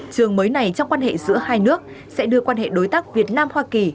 trường mới này trong quan hệ giữa hai nước sẽ đưa quan hệ đối tác việt nam hoa kỳ